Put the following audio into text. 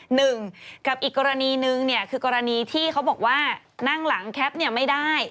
หนึ่งกับอีกกรณีนึงเนี่ยคือกรณีที่เขาบอกว่านั่งหลังแคปเนี่ยไม่ได้